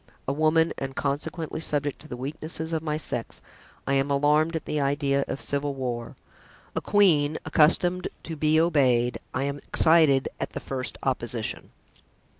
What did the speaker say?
A woman, and consequently subject to the weaknesses of my sex, I am alarmed at the idea of civil war; a queen, accustomed to be obeyed, I am excited at the first opposition."